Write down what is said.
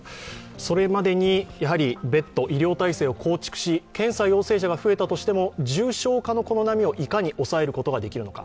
それまでに別途医療体制を構築し、検査陽性者が増えたとしても、重症化の波をいかに抑えることができるのか。